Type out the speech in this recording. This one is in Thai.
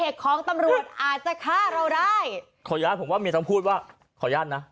ขออนุญาตผมว่ามีต้องพูดว่าขออนุญาตนะ